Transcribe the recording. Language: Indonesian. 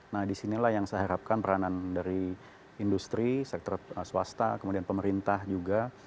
nah disinilah yang saya harapkan peranan dari industri sektor swasta kemudian pemerintah juga